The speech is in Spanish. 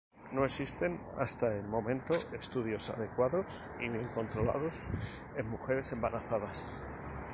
No existen hasta el momento estudios adecuados y bien controlados en mujeres embarazadas.